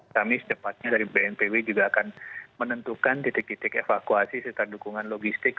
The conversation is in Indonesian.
kami secepatnya dari bnpb juga akan menentukan titik titik evakuasi serta dukungan logistik